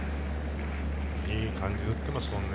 いい感じで打ってますもんね。